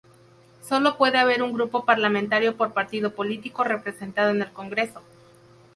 Sólo puede haber un grupo parlamentario por Partido Político representado en el Congreso.